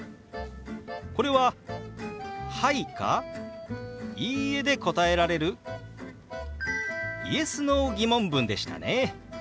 これは「はい」か「いいえ」で答えられるＹｅｓ／Ｎｏー疑問文でしたね。